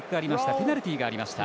ペナルティがありました。